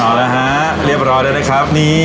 เอาละฮะเรียบร้อยแล้วนะครับนี่